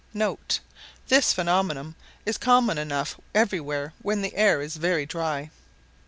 [* This phenomenon is common enough everywhere when the air is very dry.